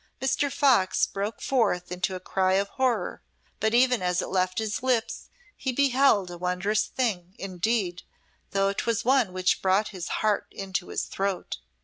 Mr. Fox broke forth into a cry of horror, but even as it left his lips he beheld a wondrous thing, indeed, though 'twas one which brought his heart into his throat.